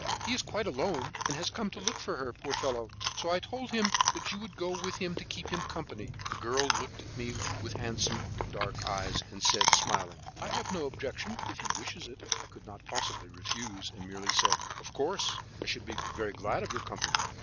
He is quite alone, and has come to look for her, poor fellow; so I told him that you would go with him to keep him company." The girl looked at me with her handsome dark eyes, and said, smiling: "I have no objection, if he wishes it" I could not possibly refuse, and merely said: "Of course, I shall be very glad of your company."